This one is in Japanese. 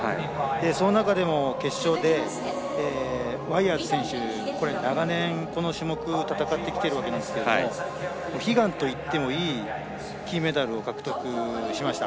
その中でも決勝でワイヤーズ選手長年この種目を戦ってきているわけですが悲願といっていい金メダルを獲得しました。